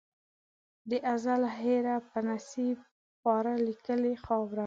د ازل هېره په نصیب خواره لیکلې خاوره